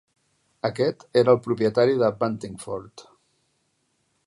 Aquest era el propietari de Buntingford.